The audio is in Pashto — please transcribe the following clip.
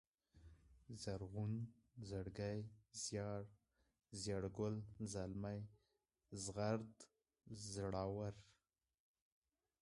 زرغون ، زړگی ، زيار ، زېړگل ، زلمی ، زغرد ، زړور